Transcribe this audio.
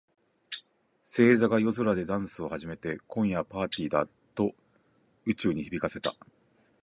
星座が夜空でダンスを始めて、「今夜はパーティーだ！」と宇宙に響かせた。